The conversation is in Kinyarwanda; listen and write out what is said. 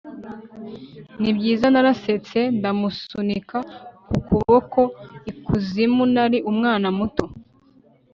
nibyiza, narasetse ndamusunika ku kuboko; ikuzimu, nari umwana muto